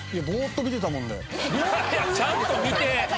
いやいやちゃんと見て。